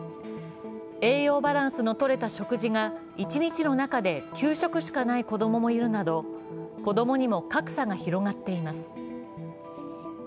栄養バランスのとれた食事が一日の中で給食しかない子供もいるなど子供にも格差が広がっています。